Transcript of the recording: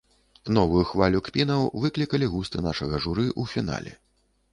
Новую хвалю кпінаў выклікалі густы нашага журы ў фінале.